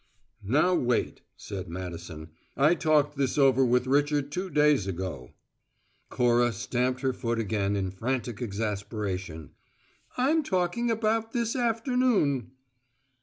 "Now wait," said Madison. "I talked this over with Richard two days ago " Cora stamped her foot again in frantic exasperation. "I'm talking about this afternoon!"